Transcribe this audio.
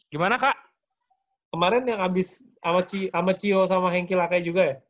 gimana kak kemarin yang abis sama cio sama henki lakai juga ya